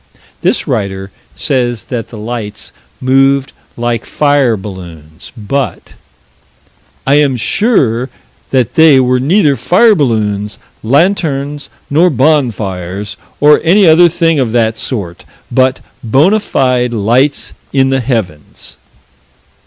This writer says that the lights moved like fire balloons, but: "I am sure that they were neither fire balloons, lanterns, nor bonfires, or any other thing of that sort, but bona fide lights in the heavens."